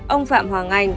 ông phạm hoàng anh